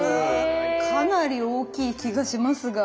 かなり大きい気がしますが。